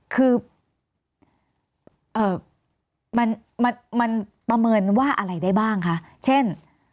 คือมันประเมินว่าอะไรได้บ้างคะเช่น